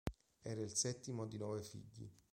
Era il settimo di nove figli.